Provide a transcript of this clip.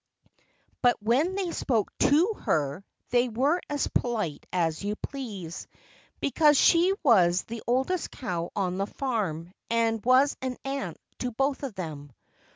But when they spoke to her they were as polite as you please, because she was the oldest cow on the farm and was an aunt to both of them.